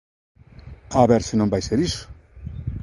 A ver se non vai ser iso.